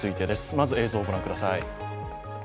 まず映像をご覧ください。